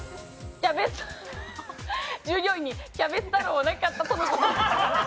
従業員に、キャベツ太郎はなかったということです。